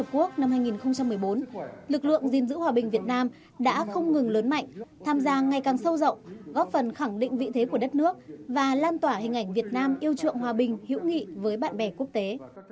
kể từ khi việt nam lần đầu tiên tham gia hoạt động này của liên hợp quốc năm hai nghìn một mươi bốn lực lượng gìn giữ hòa bình việt nam đã không ngừng lớn mạnh tham gia ngày càng sâu rộng góp phần khẳng định vị thế của đất nước và lan tỏa hình ảnh việt nam yêu trượng hòa bình hữu nghị với bạn bè quốc tế